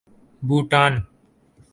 Bhutan